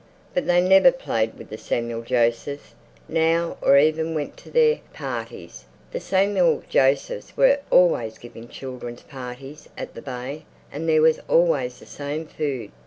But they never played with the Samuel Josephs now or even went to their parties. The Samuel Josephs were always giving children's parties at the Bay and there was always the same food.